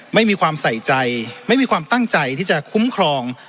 ไม่มีความใส่ใจไม่มีความตั้งใจที่จะคุ้มครอง